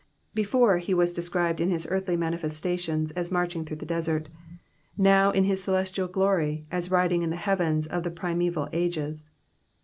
'''' Before, he was described in his earthly manifestations, as marching through the desert ; now, in his celestial glory, as riding in the heavens of the primeval ages.